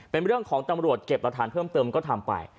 เป็นเรื่องของตำรวจเก็บหลักฐานเพิ่มเติมก็ทำไป